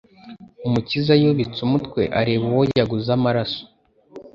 Umukiza yubitse umutwe areba uwo yaguze amaraso